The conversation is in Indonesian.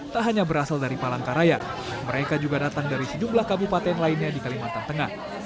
tak hanya berasal dari palangkaraya mereka juga datang dari sejumlah kabupaten lainnya di kalimantan tengah